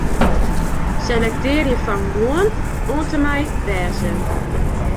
Selektearje fan 'Moarn' oant en mei 'wêze'.